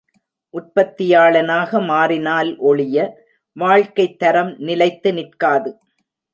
உற்பத்தியாளனாக மாறினால் ஒழிய வாழ்க்கைத் தரம் நிலைத்து நிற்காது.